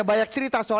kepada cnn indonesia